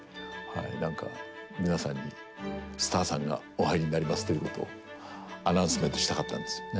何か皆さんにスターさんがお入りになりますということをアナウンスメントしたかったんですよね。